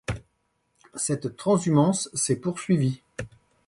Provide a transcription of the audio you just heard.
Cette transhumance s'est poursuivie.